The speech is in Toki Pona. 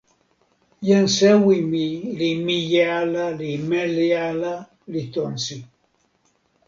jan sewi mi li mije ala li meli ala li tonsi.